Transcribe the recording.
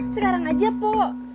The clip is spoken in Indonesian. sekarang aja poh